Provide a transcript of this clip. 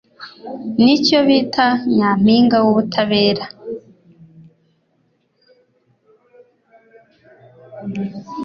Nicyo bita nyampinga wubutabera.